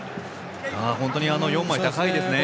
本当に４枚、高いですね。